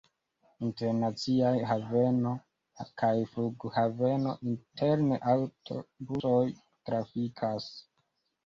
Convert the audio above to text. Internaciaj haveno kaj flughaveno, interne aŭtobusoj trafikas.